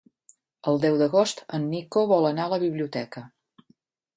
El deu d'agost en Nico vol anar a la biblioteca.